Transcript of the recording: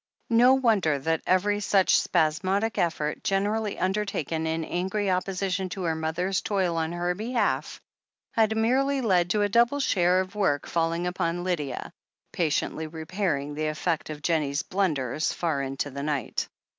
No wonder that every such spasmodic effort, generally undertaken in angry opposition to her mother's toil on her behalf, had merely led to a double share of work falling upon Lydia, patiently repairing the effect of Jennie's blunders far into the night.